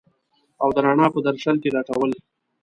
او د رڼا په درشل کي لټول